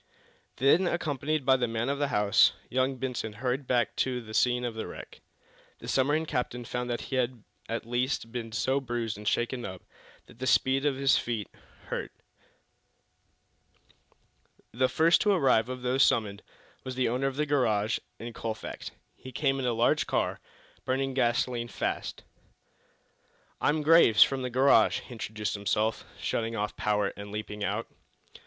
Then, accompanied by the man of the house, young Benson hurried back to the scene of the wreck. The submarine captain found that he had at least been so bruised and shaken up that speed on his feet hurt. The first to arrive, of those summoned, was the owner of the garage in Colfax. He came in a large car, burning gasoline fast. "I'm Graves, from the garage," he introduced himself, shutting off power and leaping out.